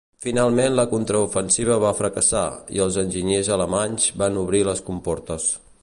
Finalment la contraofensiva va fracassar, i els enginyers alemanys van obrir les comportes.